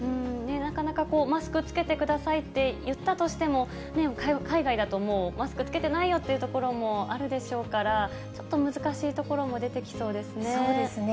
なかなかマスク着けてくださいって言ったとしても、海外だともうマスク着けてないよっていう所もあるでしょうから、ちょっと難しいところも出てきそうですね。